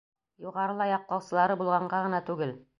Юғарыла яҡлаусылары булғанға ғына түгел.